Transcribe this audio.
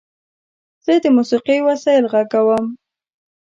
زه د موسیقۍ وسایل غږوم.